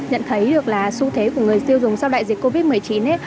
nhận thấy được là xu thế của người tiêu dùng sau đại dịch covid một mươi chín